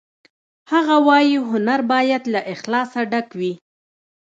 هغه وایی هنر باید له اخلاصه ډک وي